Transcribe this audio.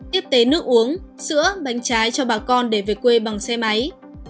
tiếp tế nước uống sữa bánh trái cho bà con để về quê bằng xe máy